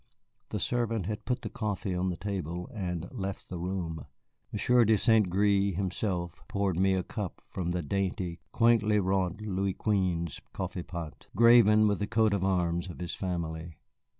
The servant had put the coffee on the table and left the room. Monsieur de St. Gré himself poured me a cup from the dainty, quaintly wrought Louis Quinze coffeepot, graven with the coat of arms of his family.